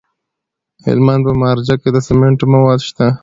د هلمند په مارجه کې د سمنټو مواد شته.